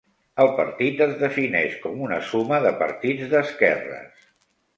El partit es defineix com una suma de partits d'esquerres.